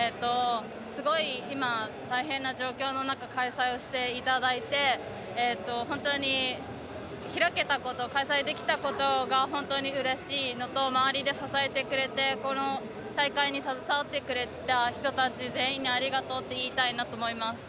すごい今、大変な状況の中開催をしていただいて本当に、開けたこと開催できたことが本当にうれしいのと周りで支えてくれてこの大会に携わってくれた人たち全員にありがとうって言いたいなと思います。